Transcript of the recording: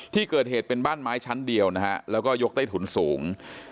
ที่เกิดเหตุเป็นบ้านไม้ชั้นเดียวนะฮะแล้วก็ยกใต้ถุนสูง